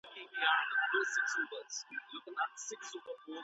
ترتيب کړه.